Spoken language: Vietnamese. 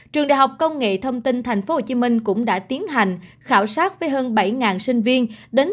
trường đại học công nghệ thông tin thành phố hồ chí minh cũng đã tiến hành khảo sát với hơn bảy sinh viên